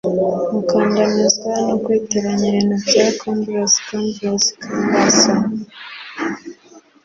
Gukandamizwa no kwitiranya ibintu bya cumbrous cumbrous cumbersome